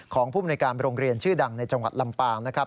ภูมิในการโรงเรียนชื่อดังในจังหวัดลำปางนะครับ